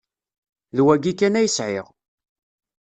D wayi kan ay sεiɣ.